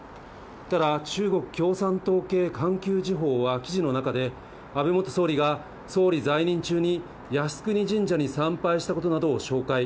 ただ、中国共産党系環球時報は、記事の中で安倍元総理が総理在任中に靖国神社に参拝したことなどを紹介。